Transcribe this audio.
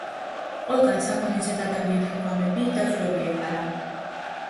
ყველგან საქონლისა და ადამიანთა გვამები და ძვლები ეყარა.